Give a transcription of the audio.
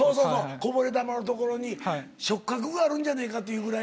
こぼれ球のところに触角があるんじゃねぇかっていうぐらい。